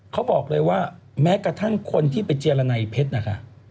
เขาบอกเลยว่าแม้กระทั่งคนที่ไปเจรณัยเพชรนะคะ